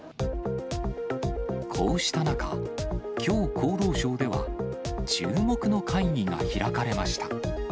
こうした中、きょう厚労省では、注目の会議が開かれました。